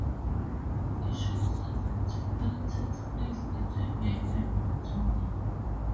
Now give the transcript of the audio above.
Fishing season typically takes place between May and October.